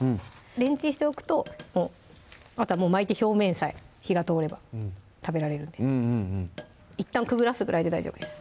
レンチンしておくと巻いて表面さえ火が通れば食べられるんでいったんくぐらすぐらいで大丈夫です